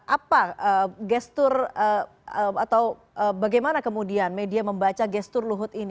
apa gestur atau bagaimana kemudian media membaca gestur luhut ini